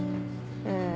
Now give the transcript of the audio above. うん。